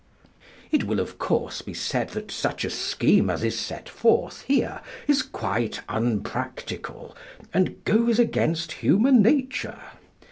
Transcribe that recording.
It will, of course, be said that such a scheme as is set forth here is quite unpractical, and goes against human nature.